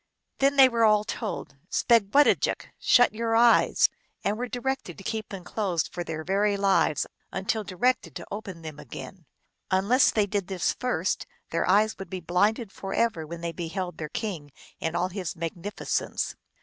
Then they were all told " Spegwedajik !"" Shut your eyes !" and were directed to keep them closed for their very lives, until directed to open them again. Unless they did this first, their eyes would be blinded forever when they beheld their king in all his magnif icence.